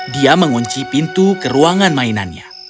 dia mengunci pintu ke ruangan mainannya